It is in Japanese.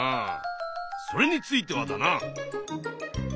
それについてはだな。